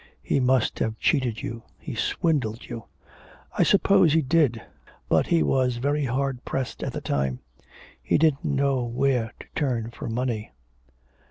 'He must have cheated you, he swindled you.' 'I suppose he did, but he was very hard pressed at the time. He didn't know where to turn for money.'